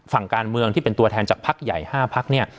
ฝั่งการเมืองที่เป็นตัวแทนจากพักใหญ่๕พักเนี่ย